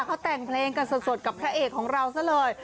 เขาแต่งเพลงกันสดกับพระเอกของเราซะเลย